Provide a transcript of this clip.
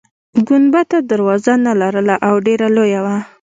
ګنبده دروازه نلرله او ډیره لویه وه.